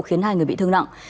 khiến hai người bị thương nặng